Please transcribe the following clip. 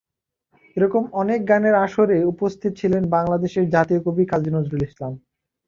এরকম অনেক গানের আসরে উপস্থিত ছিলেন বাংলাদেশের জাতীয় কবি কাজী নজরুল ইসলাম।